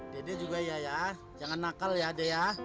dede juga iya ya jangan nakal ya deya